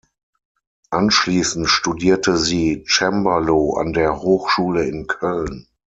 Anschließend studierte sie Cembalo an der Hochschule in Köln.